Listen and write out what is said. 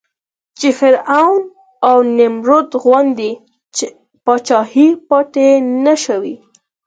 چې فرعون او نمرود غوندې پاچاهۍ پاتې نه شوې.